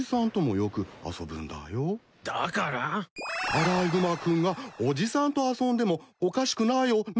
アライグマ君がおじさんと遊んでもおかしくないよね？